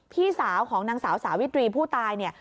พี่สาวของนางสาวสาวิตรีผู้ตายเนี่ย